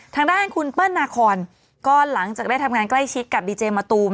ทางด้านคุณเปิ้ลนาคอนก็หลังจากได้ทำงานใกล้ชิดกับดีเจมะตูม